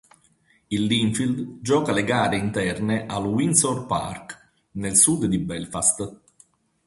Il Linfield gioca le gare interne al Windsor Park, nel sud di Belfast.